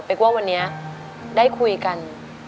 เพราะว่าวันนี้ได้คุยกัน